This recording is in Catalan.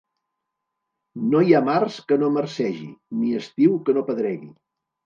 No hi ha març que no marcegi, ni estiu que no pedregui.